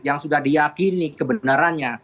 yang sudah diakini kebenarannya